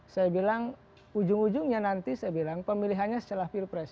saya bilang ujung ujungnya nanti saya bilang pemilihannya secara feel press